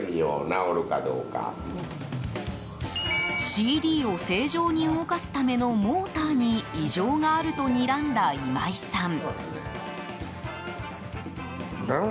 ＣＤを正常に動かすためのモーターに異常があるとにらんだ今井さん。